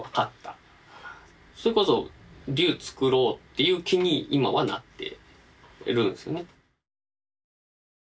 それこそ竜作ろうっていう気に今はなっているんですよね。